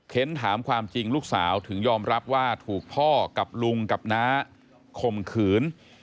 ถามความจริงลูกสาวถึงยอมรับว่าถูกพ่อกับลุงกับน้าข่มขืน